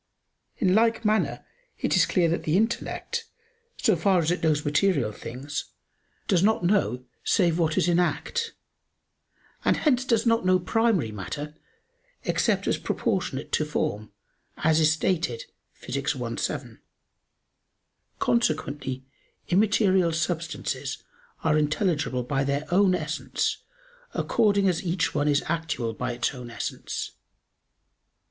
In like manner it is clear that the intellect, so far as it knows material things, does not know save what is in act: and hence it does not know primary matter except as proportionate to form, as is stated Phys. i, 7. Consequently immaterial substances are intelligible by their own essence according as each one is actual by its own essence.